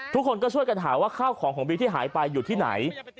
ทุกคนก็ช่วยกันหาว่าข้าวของของบีที่หายไปอยู่ที่ไหน